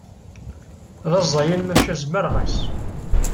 D aẓayan maca zmereɣ-as.